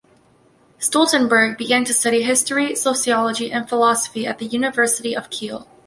Stoltenberg began to study history, sociology and philosophy at the University of Kiel.